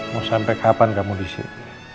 mau sampai kapan kamu disini